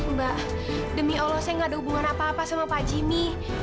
mbak demi allah saya gak ada hubungan apa apa sama pak jimmy